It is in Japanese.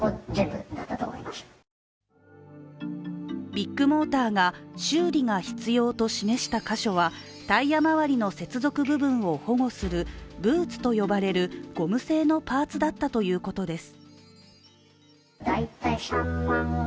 ビッグモーターが修理が必要と示した箇所は、タイヤまわりの接続部分を保護するブーツと呼ばれるゴム製のパーツだったということです。